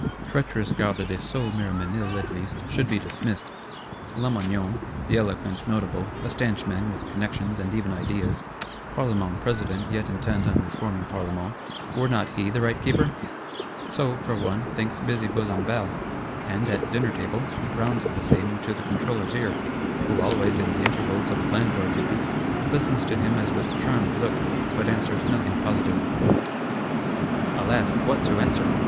Treacherous Garde des Sceaux Miroménil, at least, should be dismissed; Lamoignon, the eloquent Notable, a stanch man, with connections, and even ideas, Parlement President yet intent on reforming Parlements, were not he the right Keeper? So, for one, thinks busy Besenval; and, at dinner table, rounds the same into the Controller's ear,—who always, in the intervals of landlord duties, listens to him as with charmed look, but answers nothing positive. Alas, what to answer?